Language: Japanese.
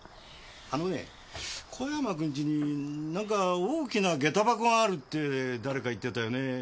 あのね小山君ちに何か大きな下駄箱があるって誰か言ってたよね。